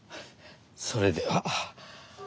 それでは。